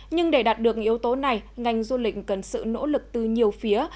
nhưng để đạt được yếu tố này ngành du lịch cần sự nỗ lực từ nhiều phía